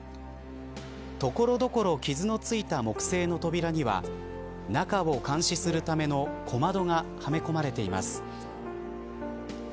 所々、傷のついた木製の扉には中を監視するための小窓がはめ込まれています。